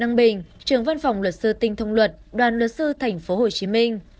đăng bình trưởng văn phòng luật sư tinh thông luật đoàn luật sư thành phố hồ chí minh